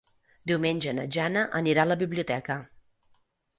Diumenge na Jana anirà a la biblioteca.